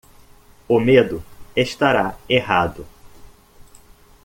O medo estará errado